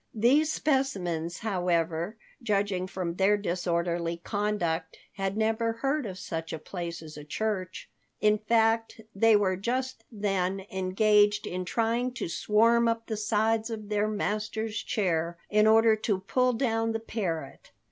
These specimens, however, judging from their disorderly conduct, had never heard of such a place as a church. In fact, they were just then engaged in trying to swarm up the sides of their master's chair, in order to pull down the parrot.